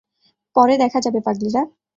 পরে দেখা যাবে, পাগলীরা।